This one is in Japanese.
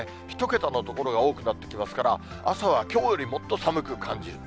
１桁の所が多くなってきますから、朝はきょうよりもっと寒く感じる。